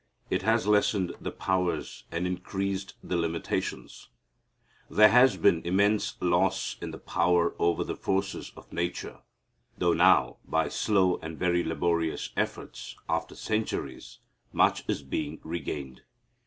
It has lessened the powers and increased the limitations. There has been immense loss in the power over the forces of nature, though now, by slow and very laborious efforts, after centuries, much is being regained.